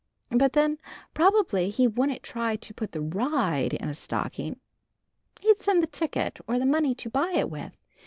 But then, probably he wouldn't try to put the ride in a stocking. He'd send the ticket or the money to buy it with.